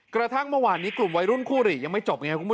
กระทั่งเมื่อวานนี้กลุ่มวัยรุ่นคู่หรี่ยังไม่จบ